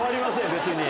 別に。